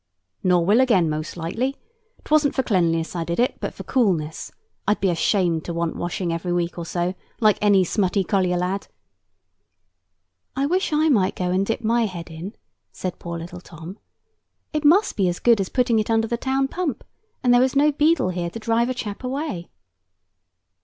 "Nor will again, most likely. 'Twasn't for cleanliness I did it, but for coolness. I'd be ashamed to want washing every week or so, like any smutty collier lad." "I wish I might go and dip my head in," said poor little Tom. "It must be as good as putting it under the town pump; and there is no beadle here to drive a chap away."